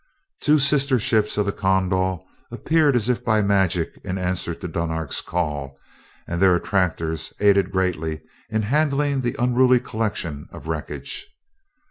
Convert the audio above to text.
Two sister ships of the Kondal appeared as if by magic in answer to Dunark's call, and their attractors aided greatly in handling the unruly collection of wreckage.